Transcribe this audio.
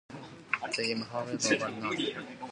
The games however were not first class fixtures.